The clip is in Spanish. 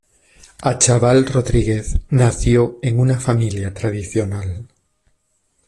Achával Rodríguez nació en una familia tradicional.